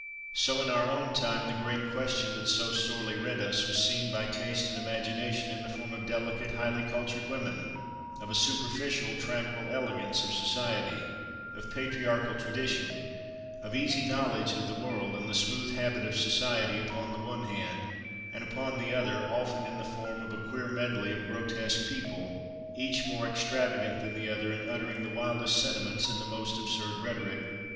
So, in our own time, the great question that so sorely rent us was seen by taste and imagination in the form of delicate, highly cultured women, of a superficial tranquil elegance of society, of patriarchal tradition, of easy knowledge of the world, and the smooth habit of society upon the one hand; and upon the other, often in the form of a queer medley of grotesque people, each more extravagant than the other, and uttering the wildest sentiments in the most absurd rhetoric.